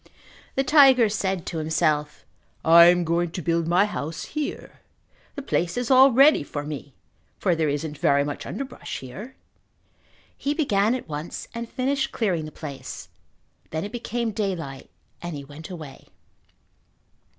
The tiger said to himself, "I am going to build my house here. The place is all ready for me for there isn't very much underbrush here." He began at once and finished clearing the place. Then it became daylight and he went away.